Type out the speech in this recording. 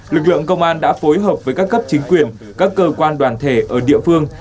lực lượng công an đã phối hợp với các cấp chính quyền các cơ quan đoàn thể ở địa phương